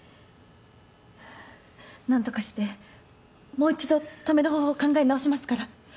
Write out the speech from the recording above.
何とかしてもう一度止める方法考え直しますから。